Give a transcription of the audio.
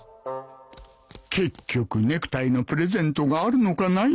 結局ネクタイのプレゼントがあるのかないのか